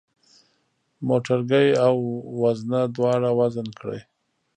موټرګی او وزنه دواړه وزن کړئ.